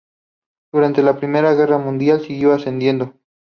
Durante la Primera Guerra Mundial siguió ascendiendo.